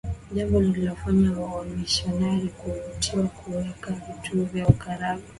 Jambo lililofanya Wamisionari kutovutiwa kuweka vituo vyao Karagwe